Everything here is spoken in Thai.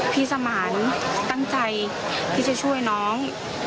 สมานตั้งใจที่จะช่วยน้อง